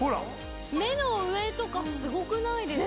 目の上とかすごくないですか？